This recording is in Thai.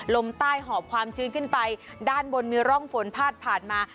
ลมใต้หอบความชื้นขึ้นไปด้านบนมีร่องฝนพาดผ่านมา